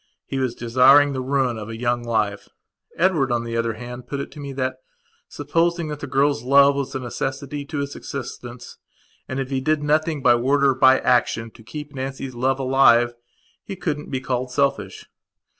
He was desiring the ruin of a young life. Edward on the other hand put it to me that, supposing that the girl's love was a necessity to his existence, and, if he did nothing by word or by action to keep Nancy's love alive, he couldn't be called selfish.